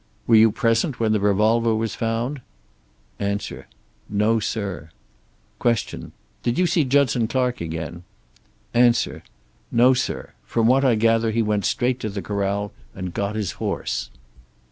"Were you present when the revolver was found?" A. "No, sir." Q. "Did you see Judson Clark again?" A. "No, sir. From what I gather he went straight to the corral and got his horse."